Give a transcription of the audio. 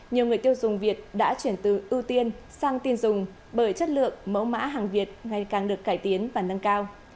nhiều người tiêu dùng việt đã chuyển từ ưu tiên sang tin dùng bởi chất lượng mẫu mã hàng việt ngày càng được cải tiến và nâng cao